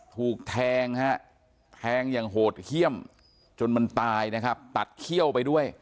ถูกแทงฮะแทงอย่างโหดเยี่ยมจนมันตายนะครับตัดเขี้ยวไปด้วย